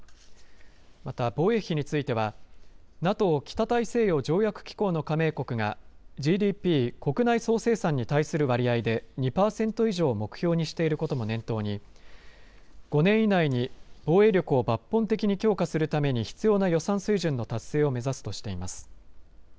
また防衛費についてはＮＡＴＯ・北大西洋条約機構の加盟国がＧＤＰ・国内総生産に対する割合で２％以上を目標にしていることも念頭に５年以内に防衛力を抜本的に強化するために必要な予算水準の達成を目指すとしています。